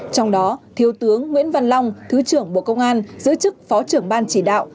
trong đó thiếu tướng nguyễn văn long thứ trưởng bộ công an giữ chức phó trưởng ban chỉ đạo